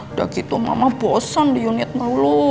udah gitu mama bosan di unit melulu